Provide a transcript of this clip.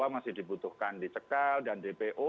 bahwa masih dibutuhkan di cekal dan dpo